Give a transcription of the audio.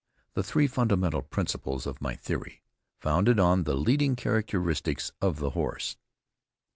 THE THREE FUNDAMENTAL PRINCIPLES OF MY THEORY Founded on the Leading Characteristics of the Horse.